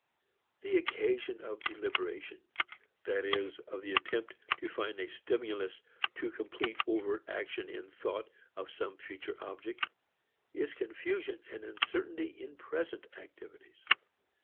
The occasion of deliberation, that is of the attempt to find a stimulus to complete overt action in thought of some future object, is confusion and uncertainty in present activities.